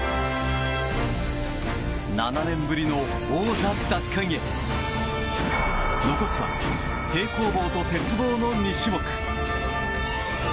７年ぶりの王座奪還へ残すは、平行棒と鉄棒の２種目。